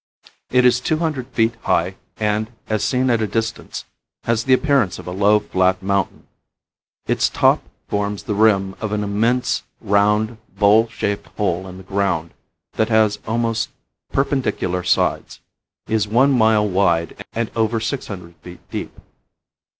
It is two hundred feet high and, as seen at a distance, has the appearance of a low, flat mountain. Its top forms the rim of an immense, round, bowl shaped hole in the ground that has almost perpendicular sides, is one mile wide and over six hundred feet deep.